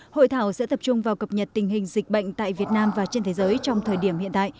hội thảo sẽ tập trung vào cập nhật tình hình dịch bệnh tại việt nam và trên thế giới trong thời điểm hiện tại